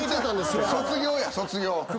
卒業や卒業。